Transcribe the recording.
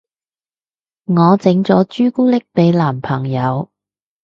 我都整咗朱古力俾男朋友